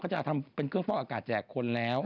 จะทำเป็นเครื่องฟอกอากาศแจกคนแล้ว